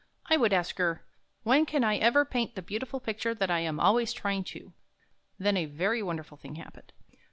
" I would ask her: When can I ever paint the beautiful picture that I am always trying to?" Then a very wonderful thing happened.